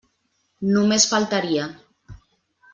Només faltaria.